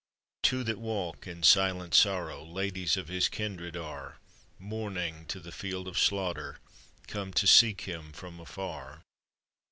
Two that walk in silent sorrow — Ladies of his kindred are — Mourning, to the field of slaughter Come to seek him from afar.